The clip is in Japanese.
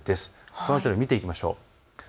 その辺り、見ていきましょう。